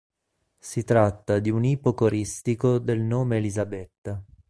Si tratta di un ipocoristico del nome Elisabetta.